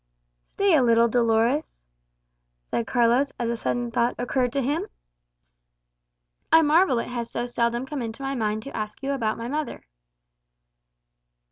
"Stay a little, Dolores," said Carlos, as a sudden thought occurred to him; "I marvel it has so seldom come into my mind to ask you about my mother."